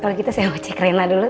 kalau kita saya mau cek rena dulu